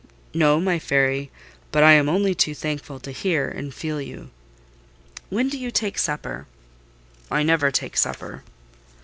"No, my fairy: but I am only too thankful to hear and feel you." "When do you take supper?" "I never take supper."